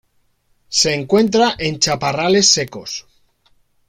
Se encuentra en chaparrales secos.